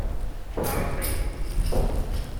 Ɛṛeḍ-it.